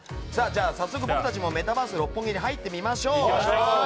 早速、僕たちもメタバース六本木に入っていきましょう。